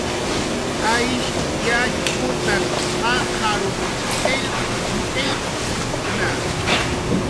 Aysh yatxutan jaqarunw qillq qillqt'ktna